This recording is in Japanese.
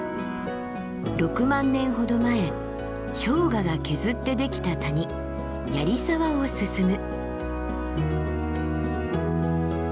６万年ほど前氷河が削ってできた谷槍沢を進む。